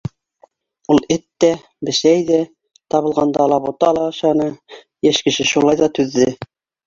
Ул эт тә, бесәй ҙә, табылғанда алабута ла ашаны, йәш кеше, шулай ҙа түҙҙе.